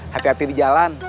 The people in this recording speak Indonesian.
hati hati di jalan